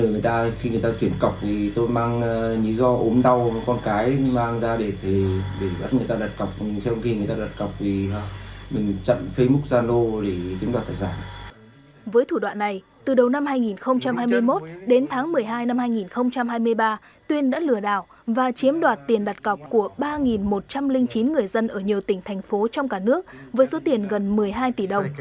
với thủ đoạn này từ đầu năm hai nghìn hai mươi một đến tháng một mươi hai năm hai nghìn hai mươi ba tuyên đã lừa đảo và chiếm đoạt tiền đặt cọc của ba một trăm linh chín người dân ở nhiều tỉnh thành phố trong cả nước với số tiền gần một mươi hai tỷ đồng